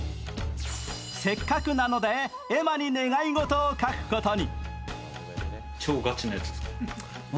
せっかくなので、絵馬に願い事を書くことに。